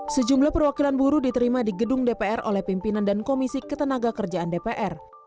sejumlah perwakilan buruh diterima di gedung dpr oleh pimpinan dan komisi ketenaga kerjaan dpr